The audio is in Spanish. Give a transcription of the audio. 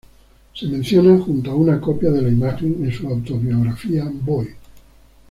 Se menciona, junto a una copia de la imagen, en su autobiografía 'Boy'.